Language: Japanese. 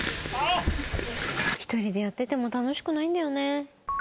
「１人でやってても楽しくないんだよね」